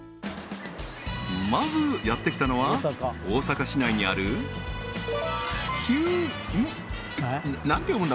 まずやって来たのは大阪市内にある九うん？